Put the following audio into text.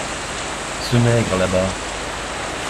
Ce maigre là-bas.